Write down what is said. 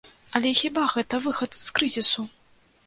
Але хіба гэта выхад з крызісу?